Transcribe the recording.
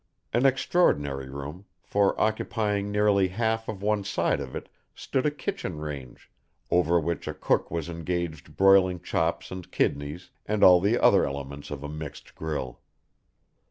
An extraordinary room, for, occupying nearly half of one side of it stood a kitchen range, over which a cook was engaged broiling chops and kidneys, and all the other elements of a mixed grill.